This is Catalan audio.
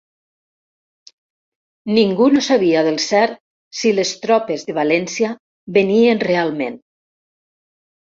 Ningú no sabia del cert si les tropes de València venien realment